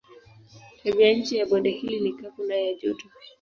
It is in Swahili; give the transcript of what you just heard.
Tabianchi ya bonde hilo ni kavu na ya joto.